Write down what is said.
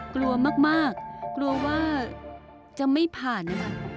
กลัวมากกลัวว่าจะไม่ผ่าน